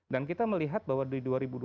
dan kita melihat bahwa di dua ribu dua puluh satu